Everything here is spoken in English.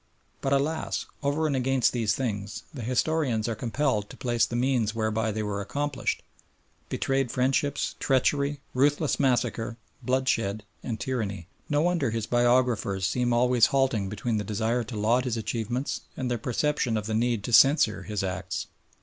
But alas! over and against these things the historians are compelled to place the means whereby they were accomplished, betrayed friendships, treachery, ruthless massacre, bloodshed and tyranny. No wonder his biographers seem always halting between the desire to laud his achievements and their perception of the need to censure his acts.